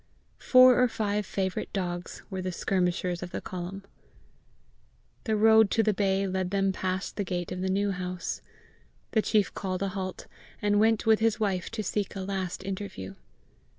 Four or five favourite dogs were the skirmishers of the column. The road to the bay led them past the gate of the New House. The chief called a halt, and went with his wife to seek a last interview.